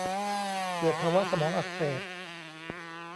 เกิดภาวะสมองอักเสบ